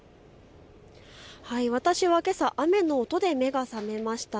私はけさ雨の音で目が覚めました。